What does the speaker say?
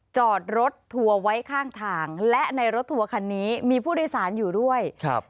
จอดรถทัวร์ไว้ข้างทางและในรถทัวร์คันนี้มีผู้โดยสารอยู่ด้วยครับ